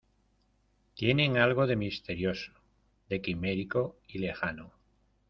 tienen algo de misterioso, de quimérico y lejano